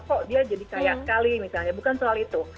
kok dia jadi kaya sekali misalnya bukan soal itu